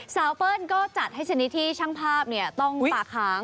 สาวเพิ่ลก็จัดให้เฉยที่ช่างภาพต้องตาขาง